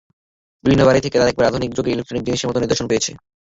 বিভিন্ন বাড়ি থেকে তারা একেবারে আধুনিক যুগের ইলেকট্রিক্যাল জিনিসের মতন নিদর্শন পেয়েছে।